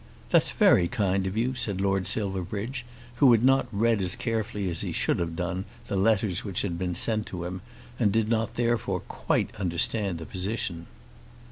"That's very kind of you," said Lord Silverbridge, who had not read as carefully as he should have done the letters which had been sent to him, and did not therefore quite understand the position.